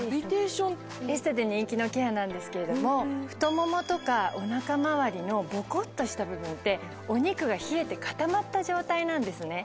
エステで人気のケアなんですけれども太ももとかおなか回りのぼこっとした部分ってお肉が冷えて固まった状態なんですね。